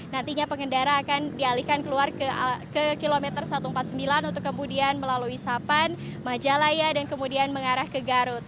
nantinya pengendara akan dialihkan keluar ke kilometer satu ratus empat puluh sembilan untuk kemudian melalui sapan majalaya dan kemudian mengarah ke garut